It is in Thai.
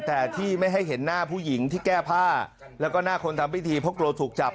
แต่ที่ไม่ให้เห็นหน้าผู้หญิงที่แก้ผ้าแล้วก็หน้าคนทำพิธีเพราะกลัวถูกจับ